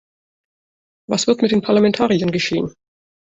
Was wird mit den Parlamentariern geschehen?